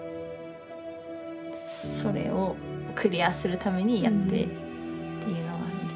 それをクリアするためにやってっていうのはある。